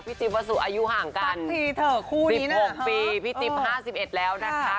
จิ๊บวัสสุอายุห่างกัน๑๖ปีพี่ติ๊บ๕๑แล้วนะคะ